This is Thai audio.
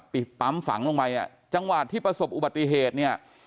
ปิดปั๊มฝังลงไปเนี่ยจังหวะที่ประสบอุบัติเหตุเนี่ย